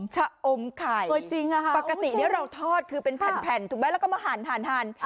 ชะอมไข่ปกตินี้เราทอดคือเป็นแผ่นถูกไหมแล้วก็มาหั่น